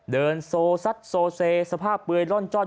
เดินโซซัดโซเซสภาพเปลือยร่อนจ้อน